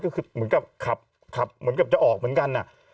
ก็เหมือนกับจะออกเหมือนกัน